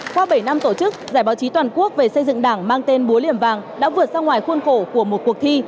qua bảy năm tổ chức giải báo chí toàn quốc về xây dựng đảng mang tên búa liềm vàng đã vượt ra ngoài khuôn khổ của một cuộc thi